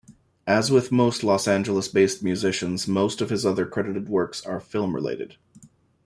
As with most Los Angeles-based musicians, much of his other credited works are film-related.